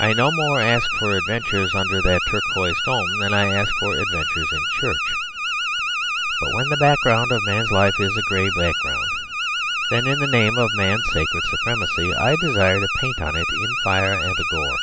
I no more ask for adventures under that turquoise dome than I ask for adventures in church. But when the background of man's life is a grey background, then, in the name of man's sacred supremacy, I desire to paint on it in fire and gore.